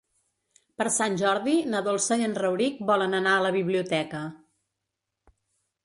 Per Sant Jordi na Dolça i en Rauric volen anar a la biblioteca.